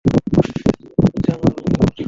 চুপ, জানোয়ার কোথাকার!